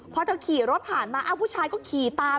พอเธอขี่รถผ่านมาเอ้าผู้ชายก็ขี่ตาม